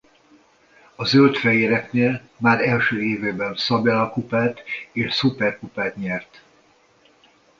A zöld-fehéreknél már első évében Szabella-kupát és Szuperkupát nyert.